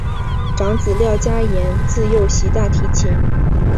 长子廖嘉言自幼习大提琴。